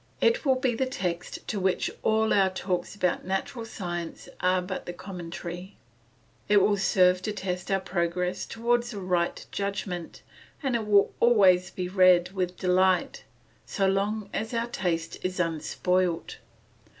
It will be the text to which all our talks about natural science are but the commentary. It will serve to test our progress towards a right judgment, and it will always be read with delight, so long as our taste is unspoilt.